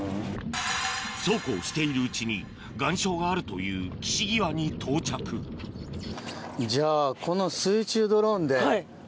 そうこうしているうちに岩礁があるという岸際に到着じゃあ。